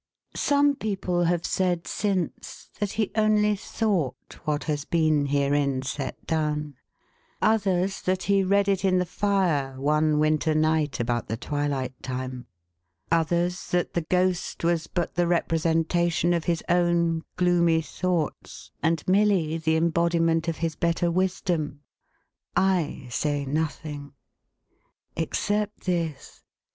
Some people have said since, that he only thought what has been herein set down ; others, that he read it in the fire, one winter night about the twilight time; others, that the Ghost was but the representation of his own gloomy thoughts, and Milly the embodiment of his better wisdom. / say nothing. — Except this.